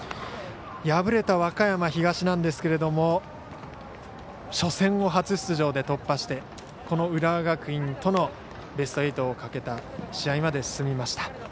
敗れた和歌山東なんですけども初戦を初出場で突破してこの浦和学院とのベスト８をかけた試合まで進みました。